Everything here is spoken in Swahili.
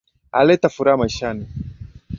Aleta furaha maishani.